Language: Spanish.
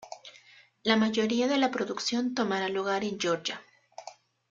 La mayoría de la producción tomará lugar en Georgia.